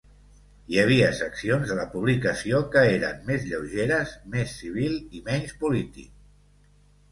Hi havia seccions de la publicació que eren més lleugeres, més civil i menys polític.